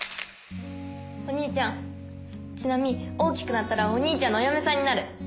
お兄ちゃん千波大きくなったらお兄ちゃんのお嫁さんになる。